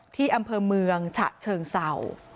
ที่อำเภอเมืองฉะเชิงเศร้า